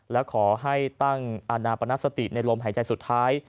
และขอให้ตั้งอาณาปนสติในลมหายใจสุดท้าย